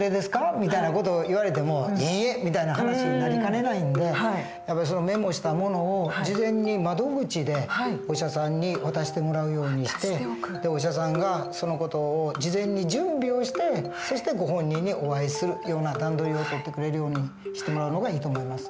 みたいな事を言われても「いいえ」みたいな話になりかねないんでメモしたものを事前に窓口でお医者さんに渡してもらうようにしてお医者さんがその事を事前に準備をしてそしてご本人にお会いするような段取りを取ってくれるようにしてもらうのがいいと思います。